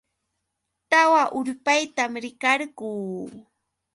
Tawa urpaytam rikarquu.